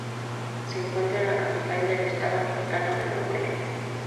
Se encuentra en la capital del estado mexicano de Nuevo León.